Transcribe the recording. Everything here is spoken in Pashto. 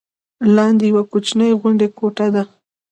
لاندې یوه کوچنۍ غوندې کوټه ده.